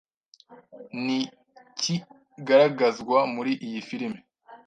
ntikigaragazwa muri iyi filimi